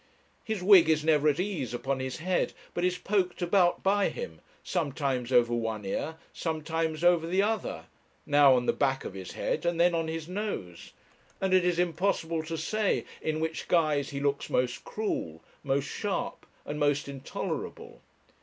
His wig is never at ease upon his head, but is poked about by him, sometimes over one ear, sometimes over the other, now on the back of his head, and then on his nose; and it is impossible to say in which guise he looks most cruel, most sharp, and most intolerable.